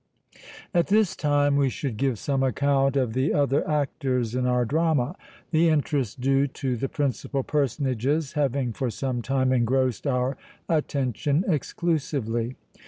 At this time we should give some account of the other actors in our drama, the interest due to the principal personages having for some time engrossed our attention exclusively.